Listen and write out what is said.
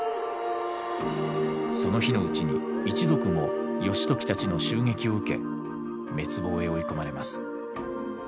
その日のうちに一族も義時たちの襲撃を受け滅亡へ追い込まれます。